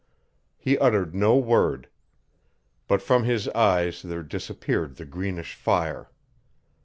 He uttered no word. But from his eyes there disappeared the greenish fire.